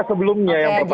sebelumnya yang pertama